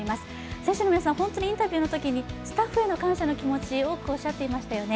選手の皆さん、インタビューのときにスタッフへの感謝の気持ち多くおっしゃっていましたよね。